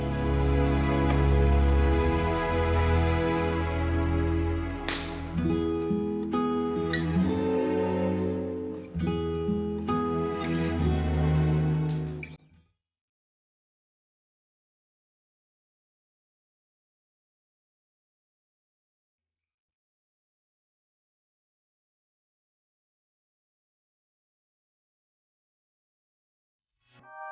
gak ada yang pilih